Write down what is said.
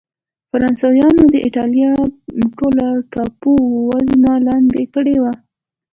فرانسویانو د اېټالیا ټوله ټاپو وزمه لاندې کړې وه.